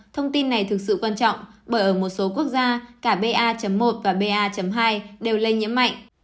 thông tin này thực sự quan trọng bởi ở một số quốc gia cả ba một và ba hai đều lây nhiễm mạnh